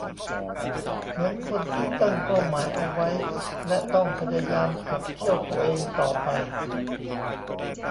เหมือนคนที่ตั้งเป้าหมายเอาไว้และต้องพยายามขับเคี่ยวตัวเองต่อไป